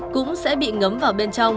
cũng sẽ bị ngấm vào bên trong